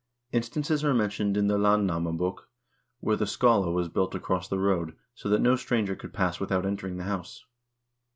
Instances are mentioned in the "Landnamabok" where the skaale was built across the road, so that no stranger could pass without entering the house.